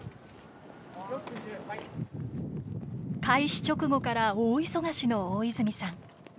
開始直後から大忙しの大泉さん。